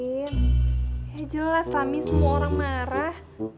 ya jelas lami semua orang marah